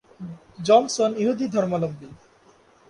Johnson ইহুদি ধর্মাবলম্বী।